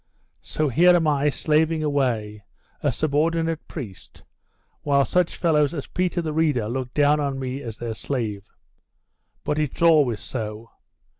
So here am I slaving away, a subordinate priest, while such fellows as Peter the Reader look down on me as their slave. But it's always so.